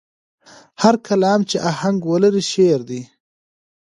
هر کلام چې آهنګ ولري، شعر دی.